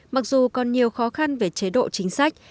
mặc dù còn nhiều khó khăn về chế độ chính sách